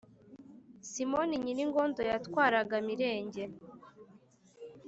Simoni Nyiringondo yatwaraga Mirenge.